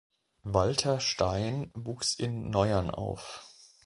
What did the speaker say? Walter Stain wuchs in Neuern auf.